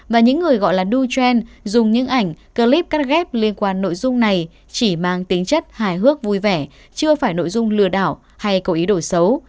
và những người gọi là đu trend dùng những ảnh clip cắt ghép liên quan nội dung này chỉ mang tính chất hài hước vui vẻ chưa phải nội dung lừa đảo hay cầu ý đổi xấu